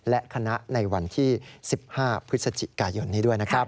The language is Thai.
และคณะในวันที่๑๕พฤศจิกายนนี้ด้วยนะครับ